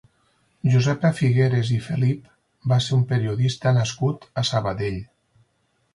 Josepa Figueras i Felip va ser un periodista nascut a Sabadell.